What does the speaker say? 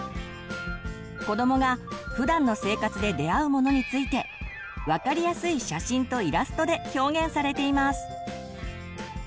子どもがふだんの生活で出会うものについて分かりやすい写真とイラストで表現されています。